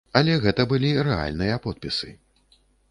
Але гэта былі рэальныя подпісы.